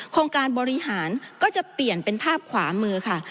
โครงการบริหารก็จะเปลี่ยนเป็นภาพขวามือค่ะ